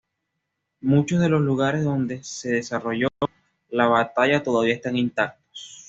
Muchos de los lugares donde se desarrolló la batalla todavía están intactos.